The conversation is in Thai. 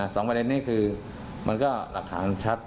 สองประเด็นนี้คือมันก็หลักฐานมันชัด